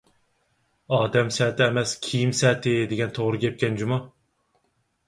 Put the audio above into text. «ئادەم سەتى ئەمەس، كىيىم سەتى» دېگەن توغرا گەپكەن جۇمۇ!